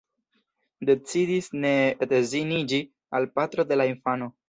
Decidis ne edziniĝi al patro de la infano.